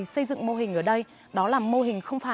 sống sứa đúng không